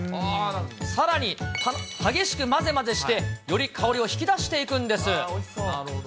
さらに激しく混ぜ混ぜして、より香りを引き出していくんです。